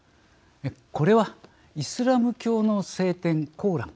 これはイスラム教の聖典「コーラン」